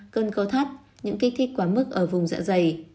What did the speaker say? cơn co thắt những kích thích quá mức ở vùng dạ dày